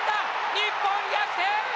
日本、逆転！